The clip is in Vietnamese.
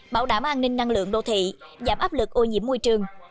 bảo đảm an ninh năng lượng đô thị giảm áp lực ô nhiễm môi trường